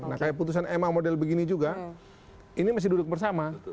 nah keputusan ma model begini juga ini masih duduk bersama